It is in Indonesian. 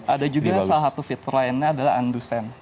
ada juga salah satu fitur lainnya adalah undo send